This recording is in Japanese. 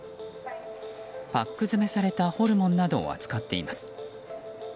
パック詰めされたホルモンなどを扱っています。